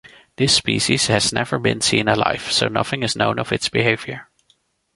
This species has never been seen alive, so nothing is known of its behavior.